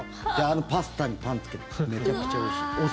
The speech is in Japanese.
あのパスタにパンつけてめちゃくちゃおいしい。